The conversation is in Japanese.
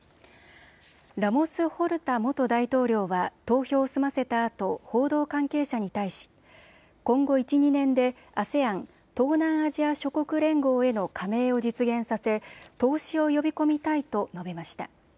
ラモス・ホルタ元大統領は投票を済ませたあと報道関係者に対し今後１、２年でＡＳＥＡＮ・東南アジア諸国連合への加盟を実現させ投資を呼び込みたいと述べました。